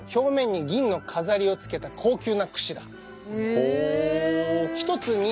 ほう。